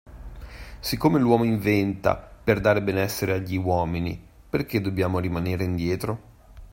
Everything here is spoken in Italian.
Siccome l'uomo inventa per dare benessere agli uomini perché dobbiamo rimanere indietro?